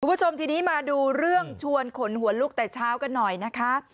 คุณผู้ชมทีนี้มาดูเรื่องชวนขนหัวลุกแต่เช้ากันหน่อยนะคะ